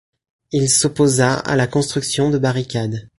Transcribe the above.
Il s'opposa à la construction de barricades.